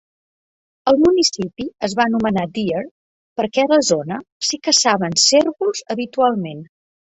El municipi es va anomenar Deer perquè a la zona s'hi caçaven cérvols habitualment.